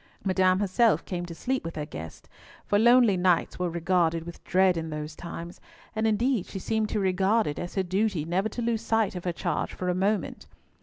Madame herself came to sleep with her guest, for lonely nights were regarded with dread in those times, and indeed she seemed to regard it as her duty never to lose sight of her charge for a moment.